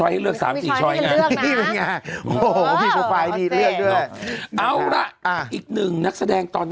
แล้วผู้ชายเนี่ยเราไม่ต้องห่วง